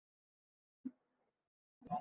Qani, keb qoling!